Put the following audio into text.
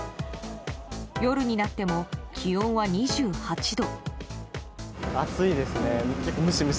夜になっても気温は２８度。